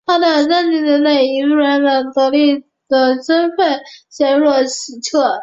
他的累累战绩以腓特烈麾下第一得力战将的身份载入史册。